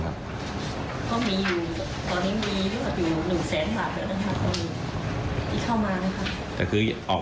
สวัสดีครับ